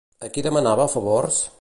A qui demanava favors?